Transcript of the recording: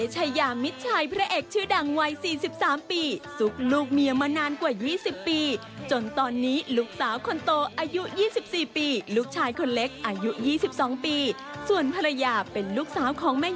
ให้ทำมานะ